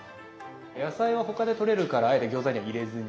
野菜は他でとれるからあえて餃子には入れずに。